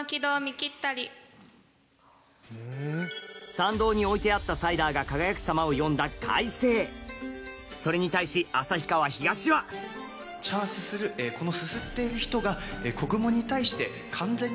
参道に置いてあったサイダーが輝く様を詠んだ開成それに対し旭川東は茶啜るこの。